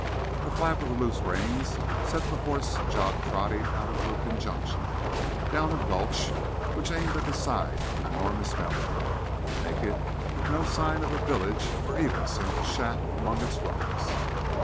A flap of the loose reins set the horses jog trotting out of Lukin Junction down a gulch which aimed at the side of an enormous mountain, naked, with no sign of a village or even a single shack among its rocks.